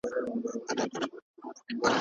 چي هم توره هم